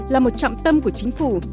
là một trọng tâm của chính phủ